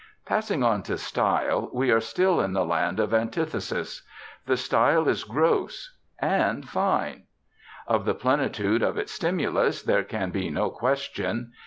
Passing on to style, we are still in the land of antithesis. The style is gross and fine. Of the plenitude of its stimulus, there can be no question.